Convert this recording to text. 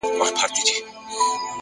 حکمت د سمې کارونې نوم دی,